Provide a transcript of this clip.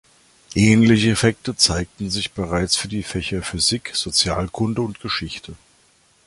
Ähnliche Effekte zeigten sich bereits für die Fächer Physik, Sozialkunde und Geschichte.